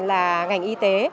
là ngành y tế